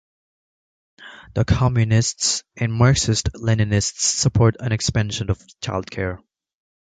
The Communists and Marxist-Leninists support an expansion of child care.